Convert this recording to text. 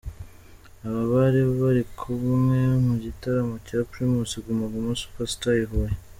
Aha bari bari kumwe mu gitaramo cya Primus Guma Guma Super Star i Huye.